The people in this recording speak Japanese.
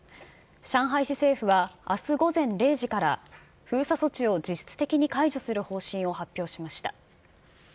上海市政府はあす午前０時から封鎖措置を実質的に解除する方針を発表しました。